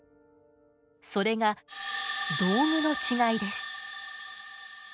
それが道具の違いです。